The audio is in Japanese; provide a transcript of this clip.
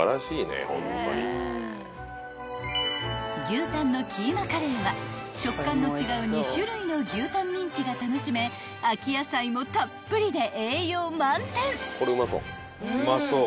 ［牛タンのキーマカレーは食感の違う２種類の牛タンミンチが楽しめ秋野菜もたっぷりで栄養満点］